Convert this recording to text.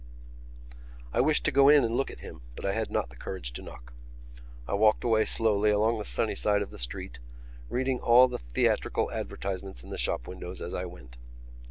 I wished to go in and look at him but I had not the courage to knock. I walked away slowly along the sunny side of the street, reading all the theatrical advertisements in the shop windows as I went.